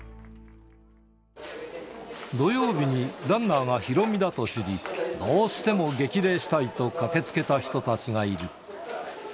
土曜日にランナーがヒロミだと知り、どうしても激励したいと駆けつけた人たちがいる。